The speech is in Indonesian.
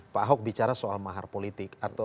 pak ahok bicara soal mahar politik